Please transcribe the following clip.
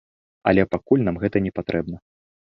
Але пакуль нам гэта непатрэбна.